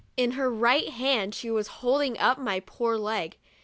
In her right hand she was holding up my poor leg.